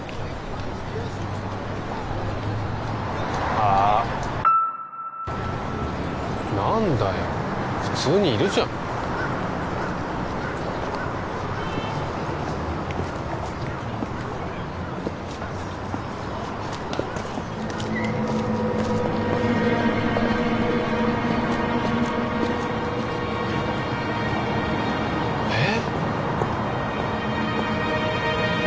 あっ何だよ普通にいるじゃんえっえっ！？